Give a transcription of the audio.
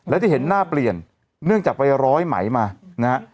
และที่เห็นหน้าเปลี่ยนเนื่องจากไปร้อยไหมมานะฮะ